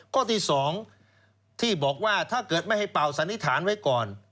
ข้อที่๒ที่บอกว่าถ้าเกิดไม่ให้เป่าสันนิษฐานไว้ก่อน